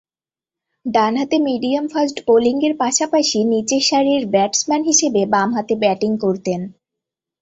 ডানহাতে মিডিয়াম-ফাস্ট বোলিংয়ের পাশাপাশি নিচেরসারির ব্যাটসম্যান হিসেবে বামহাতে ব্যাটিং করতেন।